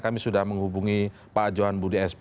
kami sudah menghubungi pak johan budi sp